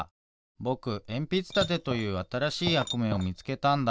ぼくえんぴつたてというあたらしいやくめをみつけたんだ。